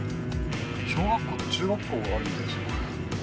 小学校と中学校があるみたいですよ。